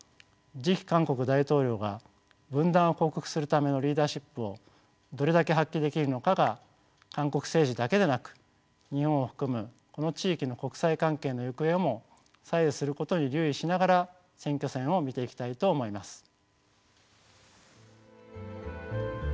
次期韓国大統領が分断を克服するためのリーダシップをどれだけ発揮できるのかが韓国政治だけでなく日本を含むこの地域の国際関係の行方をも左右することに留意しながら選挙戦を見ていきたいと思います。